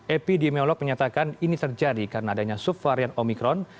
epidemiolog menyatakan ini terjadi karena adanya subvarian omikron